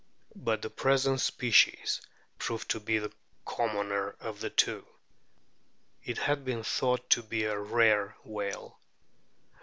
But the present species proved to be the commoner of the two. It had been thought to be a rare whale.